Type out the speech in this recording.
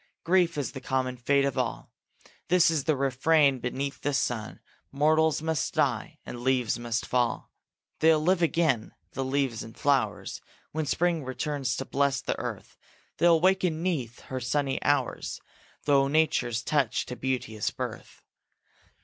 Grief is the common fate of all. This the refrain beneath the sun: Mortals must die, and leaves must fall. They'll live again, the leaves and flowers, When spring returns to bless the earth; They'll waken 'neath her sunny hours Through nature's touch to beauteous birth.